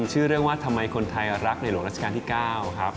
ชื่อเรื่องว่าทำไมคนไทยรักในหลวงราชการที่๙ครับ